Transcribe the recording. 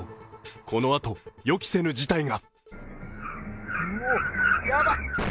このあと、予期せぬ事態が。